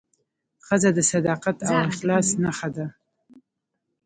ښځه د صداقت او اخلاص نښه ده.